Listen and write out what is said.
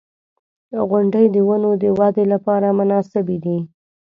• غونډۍ د ونو د ودې لپاره مناسبې دي.